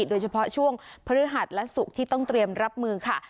โดยเฉพาะช่วงพฤหัสและศุกร์ที่ต้องเตรียมรับมือค่ะ